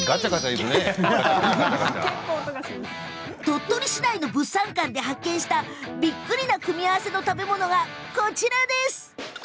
鳥取市内の物産館で発見した驚がくの組み合わせの食べ物がこちら。